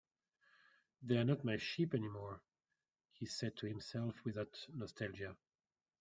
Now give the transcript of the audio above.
"They're not my sheep anymore," he said to himself, without nostalgia.